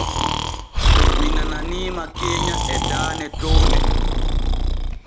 Mi nananiima keenya e daane towne.